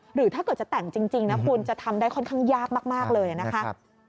หรือถ้าเกิดจะแต่งจริงนะคุณจะทำได้ค่อนข้างยากมากเลยนะคะ